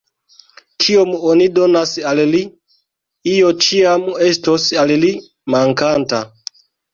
Kiom oni donas al li, io ĉiam estos al li “mankanta”.